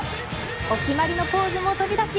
お決まりのポーズも飛び出し